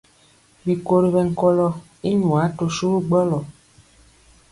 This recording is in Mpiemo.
Bikori ɓɛnkɔlɔ i nwaa to suwu gbɔlɔ.